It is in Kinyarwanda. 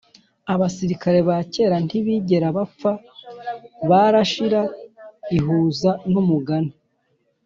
abasirikare bakera ntibigera bapfa, barashira. ihuza n'umugani